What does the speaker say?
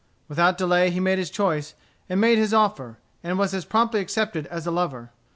Without delay he made his choice, and made his offer, and was as promptly accepted as a lover.